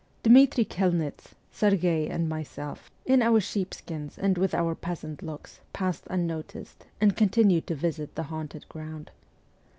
Dmitri Kelnitz, Sergh^i, and myself, in our sheepskins and with our pleasant looks, passed unnoticed, and continued to visit the haunted ground.